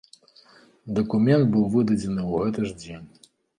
Дакумент быў выдадзены ў гэты ж дзень.